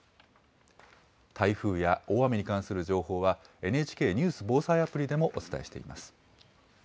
台風や大雨に関する情報は、ＮＨＫニュース・防災アプリでもお伝えしています。